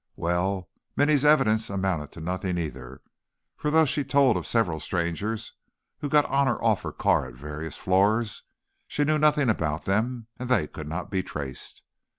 Well, Minny's evidence amounted to nothing, either, for though she told of several strangers who got on or off her car at various floors, she knew nothing about them, and they could not be traced.